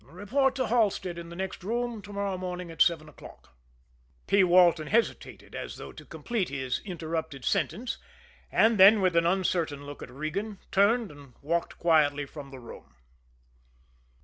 "Report to Halstead in the next room to morrow morning at seven o'clock." P. Walton hesitated, as though to complete his interrupted sentence, and then, with an uncertain look at Regan, turned and walked quietly from the room.